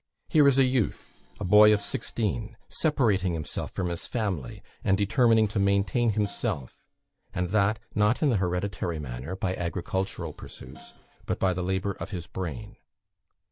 Here is a youth a boy of sixteen separating himself from his family, and determining to maintain himself; and that, not in the hereditary manner by agricultural pursuits, but by the labour of his brain.